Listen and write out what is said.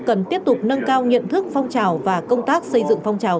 cần tiếp tục nâng cao nhận thức phong trào và công tác xây dựng phong trào